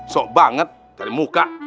syok banget dari muka